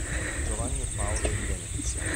Giovanni e Paolo di Venezia.